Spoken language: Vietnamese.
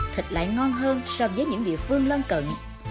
thịt lại ngon hơn so với những địa phương lân cận